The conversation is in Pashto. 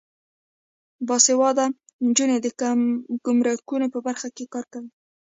باسواده نجونې د ګمرکونو په برخه کې کار کوي.